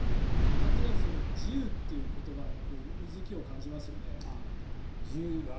なんとなく自由っていう言葉にうずきを感じますよね。